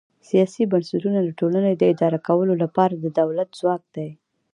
سیاسي بنسټونه د ټولنې د اداره کولو لپاره د دولت ځواک دی.